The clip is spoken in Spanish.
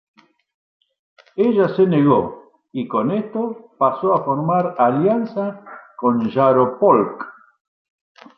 Ella se negó, y con esto pasó a formar alianza con Yaropolk.